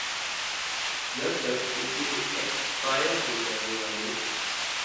جب تک ان کے ایکسپائر ہوجانے والے